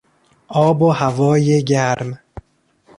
آب و هوای گرم